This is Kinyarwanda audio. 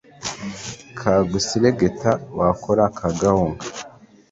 kaguseregeta, wakora kagahunga